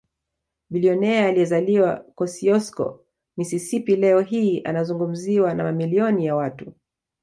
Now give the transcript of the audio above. Bilionea aliyezaliwa Kosiosko Mississippi leo hii anazungumziwa na mamilioni ya watu